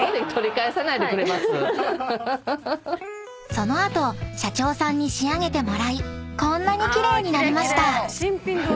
［その後社長さんに仕上げてもらいこんなに奇麗になりました］